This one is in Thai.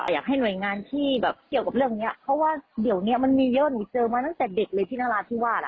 อยากให้ดูแลนิดนึงเพราะผู้หญิงเยอะเด็กก็เยอะเด็กน้อยก็เยอะ